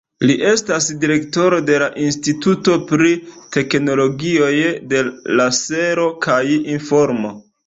Li estas direktoro de la Instituto pri Teknologioj de Lasero kaj Informo.